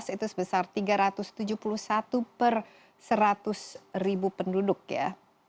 itu sebesar tiga ratus tujuh puluh satu per seratus ribu penduduk ya